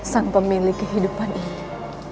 sang pemilik kehidupan ini